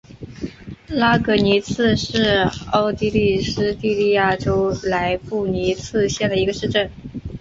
拉格尼茨是奥地利施蒂利亚州莱布尼茨县的一个市镇。